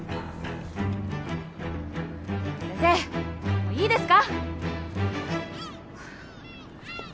もういいですか？